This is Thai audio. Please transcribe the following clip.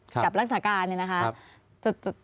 กับรัฐศักราชินรภาค